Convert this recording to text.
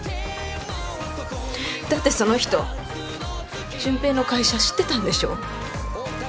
だってその人純平の会社知ってたんでしょ？